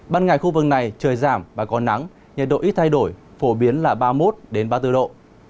ban ngày khu vực này trời giảm và có nắng nhiệt độ ít thay đổi phổ biến là ba mươi một ba mươi bốn độ